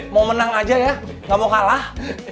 mau menang aja ya gak mau kalah